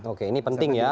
oke ini penting ya